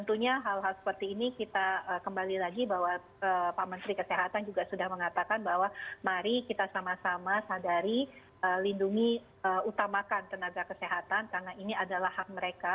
tentunya hal hal seperti ini kita kembali lagi bahwa pak menteri kesehatan juga sudah mengatakan bahwa mari kita sama sama sadari lindungi utamakan tenaga kesehatan karena ini adalah hak mereka